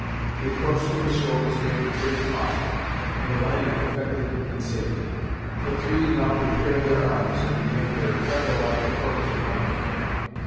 The approach to the shore was made with great caution, and the landing effected in safety. The three now prepared their arms, and began their tiger like approach upon the camp.